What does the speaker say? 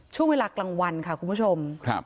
ช่วงเวลากลางวันค่ะคุณผู้ชม